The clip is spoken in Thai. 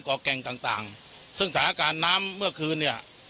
แก่งต่างต่างซึ่งสถานการณ์น้ำเมื่อคืนเนี่ย